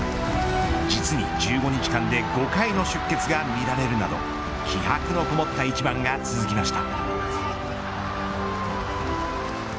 実に１５日間で５回の出血が見られるなど気迫のこもった一番が続きました。